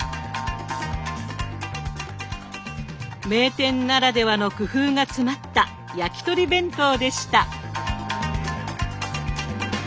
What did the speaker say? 名店ならではの工夫が詰まった焼き鳥弁当でした。